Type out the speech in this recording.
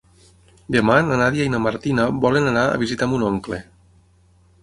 Demà na Nàdia i na Martina volen anar a visitar mon oncle.